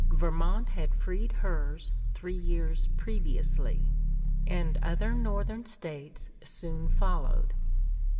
Vermont had freed hers three years previously, and other Northern States soon followed.